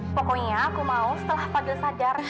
pokoknya aku mau setelah panggil sadar